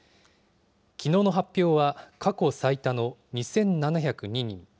きのうの発表は、過去最多の２７０２人。